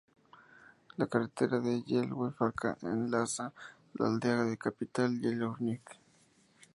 La Carretera de Yellowknife enlaza la aldea a la capital, Yellowknife.